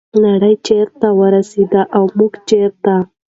نړۍ چیرته ورسیده او موږ چیرته؟